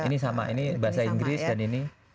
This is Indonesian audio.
ini sama ini bahasa inggris dan ini